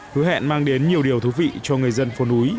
hứa hẹn mang đến nhiều điều thú vị cho người dân phố núi